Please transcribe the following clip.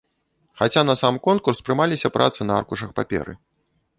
Хаця на сам конкурс прымаліся працы на аркушах паперы.